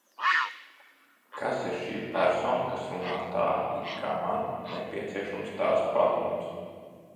Kas ir šī persona, kas runā tā, it kā man nepieciešams tās padoms?